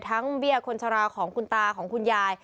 เบี้ยคนชะลาของคุณตาของคุณยาย